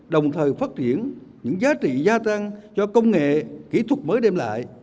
đồng thời phát triển những giá trị gia tăng cho công nghệ kỹ thuật mới đem lại